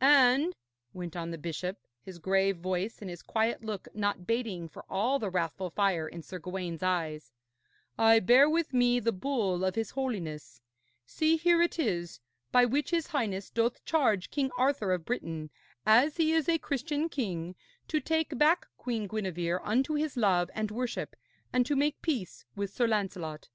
'And,' went on the bishop, his grave voice and his quiet look not bating for all the wrathful fire in Sir Gawaine's eyes, 'I bear with me the bull of his Holiness see, here it is by which his Highness doth charge King Arthur of Britain, as he is a Christian king, to take back Queen Gwenevere unto his love and worship, and to make peace with Sir Lancelot.'